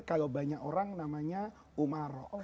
kalau banyak orang namanya umaro